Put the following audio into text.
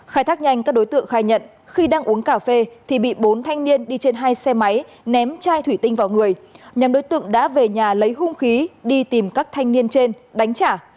khai thác nhanh các đối tượng khai nhận khi đang uống cà phê thì bị bốn thanh niên đi trên hai xe máy ném chai thủy tinh vào người nhằm đối tượng đã về nhà lấy hung khí đi tìm các thanh niên trên đánh trả